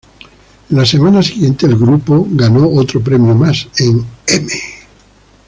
En la semana siguiente, el grupo ganó otro premio más en "M!